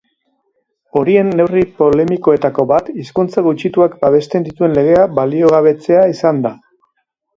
Horien neurri polemikoenetako bat hizkuntza gutxituak babesten dituen legea baliogabetzea izan da.